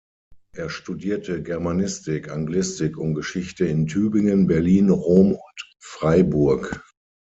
Er studierte Germanistik, Anglistik und Geschichte in Tübingen, Berlin, Rom und Freiburg.